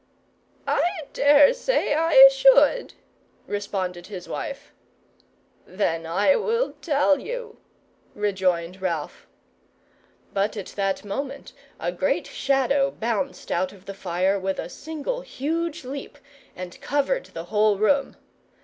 "I dare say I should," responded his wife. "Then I will tell you," rejoined Ralph. But at that moment, a great Shadow bounced out of the fire with a single huge leap, and covered the whole room.